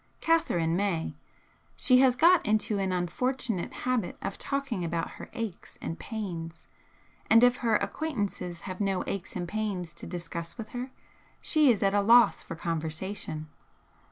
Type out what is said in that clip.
Catherine may she has got into an unfortunate habit of talking about her aches and pains, and if her acquaintances have no aches and pains to discuss with her she is at a loss for conversation.